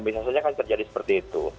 bisa saja kan terjadi seperti itu